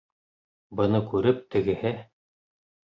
Быны күреп, тегеһе: